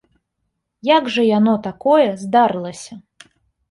Як жа яно, такое, здарылася?